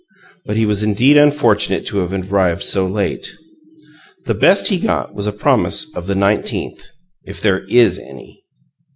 but he was indeed unfortunate to have arrived so late. The best he got was a promise of "the nineteenth if there IS any!"